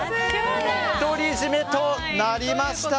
独り占めとなりました。